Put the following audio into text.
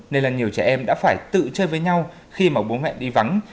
nên là nhiều trẻ em đã phải tự chơi với nhau khi mà bố mẹ đi vắng